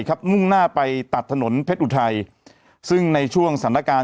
มุ่งหน้าไปตัดถนนเพชรอุทัยซึ่งในช่วงสถานการณ์